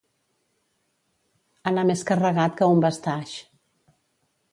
Anar més carregat que un bastaix.